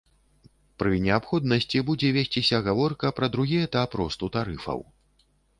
Пры неабходнасці будзе весціся гаворка пра другі этап росту тарыфаў.